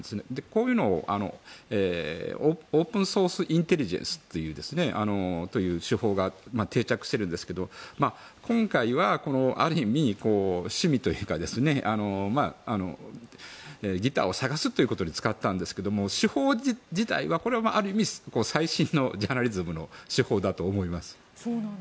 こういうのをオープンソースインテリジェンスという手法が定着しているんですが今回はある意味、趣味というかギターを捜すということに使ったんですけれど手法自体はこれもある意味最新のジャーナリズムの手法だと思います。